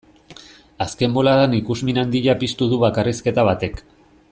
Azken boladan ikusmin handia piztu du bakarrizketa batek.